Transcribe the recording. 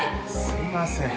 すいません。